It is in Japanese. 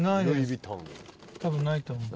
多分ないと思う。